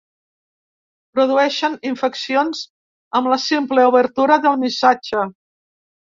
Produeixen infeccions amb la simple obertura del missatge.